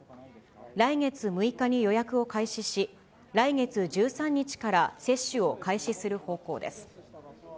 来月６日に予約を開始し、来月１３日から接種を開始する方向です。